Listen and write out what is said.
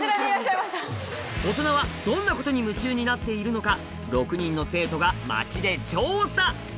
オトナはどんなことに夢中になっているのか６人の生徒が街で調査！